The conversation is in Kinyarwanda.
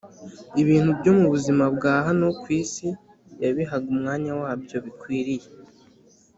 ibintu byo mu buzima bwa hano ku isi yabihaga umwanya wabyo bikwiriye,